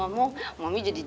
mami juga mau berangkat